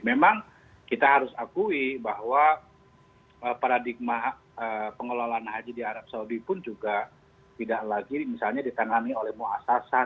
memang kita harus akui bahwa paradigma pengelolaan haji di arab saudi pun juga tidak lagi misalnya ditangani oleh muasasah ⁇